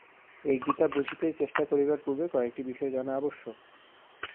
এই গীতা বুঝিতে চেষ্টা করিবার পূর্বে কয়েকটি বিষয় জানা আবশ্যক।